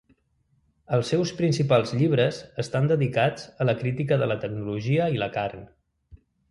Els seus principals llibres estan dedicats a la crítica de la tecnologia i la carn.